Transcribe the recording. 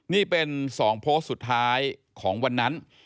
นี่เป็น๒โพสต์สุดท้ายของวันนั้น